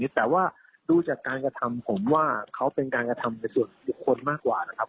แต่ว่าด้วยการกระทำของผมว่าเขาเป็นการกระทำเป็นส่วนคนมากกว่านะครับ